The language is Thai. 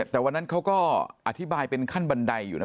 แต่วันนั้นเขาก็อธิบายเป็นขั้นบันไดอยู่นะ